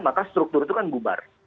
maka struktur itu kan bubar